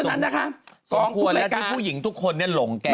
และควรที่ผู้หญิงทุกคนนี้หลงแก